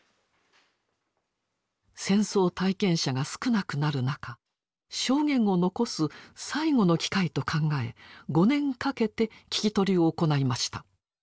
戦争体験者が少なくなる中証言を残す最後の機会と考え５年かけて聞き取りを行いました。